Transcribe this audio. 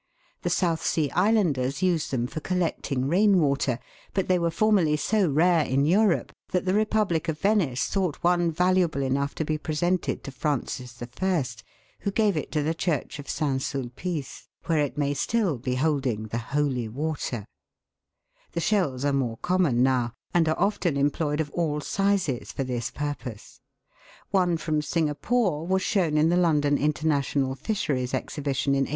The South Sea Islanders use them for collecting rain water, but they were formerly so rare in Europe that the Republic of Venice thought one valuable enough to be presented to Francis I., who gave it to the Church of St. Sulpice, where it may still be Fig. 25. THE GIANT OYSTER FROM SIN GAPORE. CORAL POLYPS AND SEA ANEMONES. I 29 holding the " holy " water. The shells are more common now, and are often employed of all sizes for this purpose. One from Singapore (Fig. 25) was shown in the London International Fisheries Exhibition, in 1883.